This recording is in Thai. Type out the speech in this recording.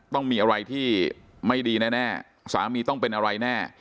ต้องมีอะไรที่ไม่ดีแน่สามีต้องเป็นอะไรแน่